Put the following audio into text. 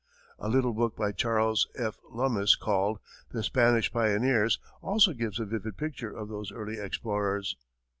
A little book by Charles F. Lummis, called "The Spanish Pioneers," also gives a vivid picture of those early explorers.